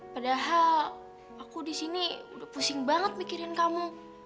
padahal aku di sini udah pusing banget mikirin kamu